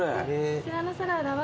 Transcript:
こちらのサラダは。